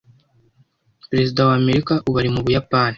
Perezida wa Amerika ubu ari mu Buyapani.